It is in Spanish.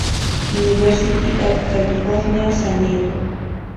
University of California, San Diego.